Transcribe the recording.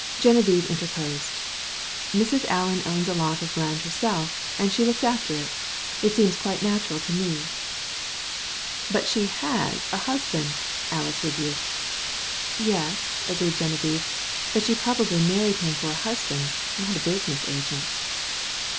Geneviève interposed. "Mrs. Allen owns a lot of land herself, and she looks after it. It seems quite natural to me." "But she has a husband," Alys rebuked. "Yes," agreed Geneviève, "but she probably married him for a husband, not a business agent."